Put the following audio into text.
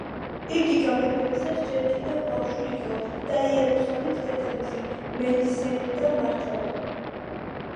იგი გამეფებისას ჯერ კიდევ ბავშვი იყო და იერუსალიმს დედამისი, მელისენდა მართავდა.